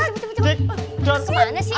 ke mana sih